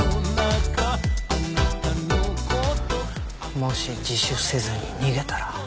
もし自首せずに逃げたら。